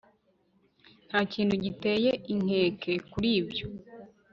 Nta kintu giteye inkeke kuri ibyo